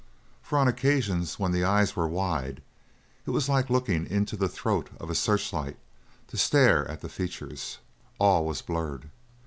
For on occasions when the eyes were wide, it was like looking into the throat of a searchlight to stare at the features all was blurred.